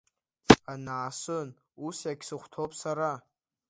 Анаасын, ус иагьсыхәҭоуп сара!